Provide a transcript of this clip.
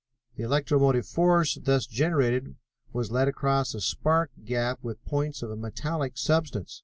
The electromotive force thus generated was led across a spark gap with points of a metallic substance.